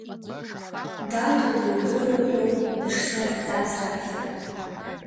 Даҭо дудыруоу ҳәоуп дышсазҵааз раԥхьа.